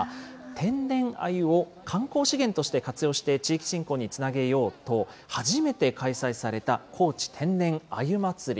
天然あゆを観光資源として活用して地域振興につなげようと、初めて開催された、こうち天然あゆまつり。